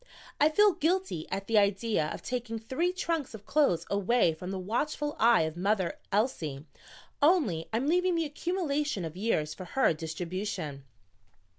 I feel guilty at the idea of taking three trunks of clothes away from the watchful eye of Mother Elsie, only I'm leaving the accumulation of years for her distribution."